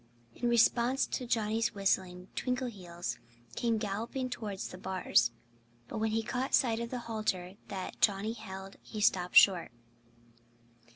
In response to Johnnie's whistling Twinkleheels came galloping towards the bars. But when he caught sight of the halter that Johnnie held he stopped short.